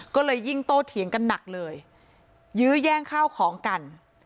ก็เลยยิ่งโตเถียงกันหนักเลยยื้อแย่งข้าวของกัน